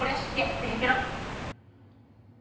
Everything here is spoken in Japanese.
テヘペロ！